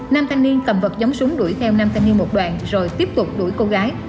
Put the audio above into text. nam thanh niên cầm vật giống súng đuổi theo năm thanh niên một đoàn rồi tiếp tục đuổi cô gái